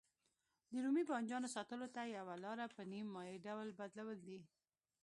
د رومي بانجانو ساتلو څخه یوه لاره په نیم مایع ډول بدلول دي.